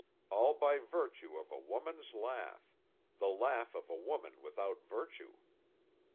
All by virtue of a woman's laugh; the laugh of a woman without virtue.